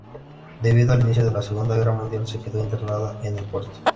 Debido al inicio de la Segunda Guerra Mundial quedó internada en el puerto.